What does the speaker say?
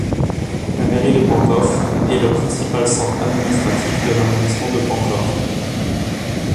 La mairie de Pankow est le principal centre administratif de l'arrondissement de Pankow.